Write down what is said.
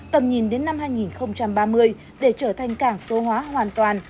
tầm nhìn đến năm hai nghìn ba mươi để trở thành cảng số hóa hoàn toàn